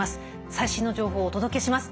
最新の情報をお届けします。